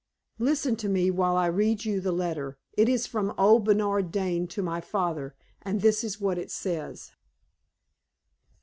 Listen to me while I read you the letter. It is from old Bernard Dane to my father, and this is what it says."